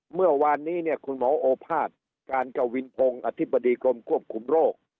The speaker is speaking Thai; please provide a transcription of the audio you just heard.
เมื่อวานนี้เนี่ยคุณหมอโอภาษย์การกวินพงศ์อธิบดีกรมควบคุมโรค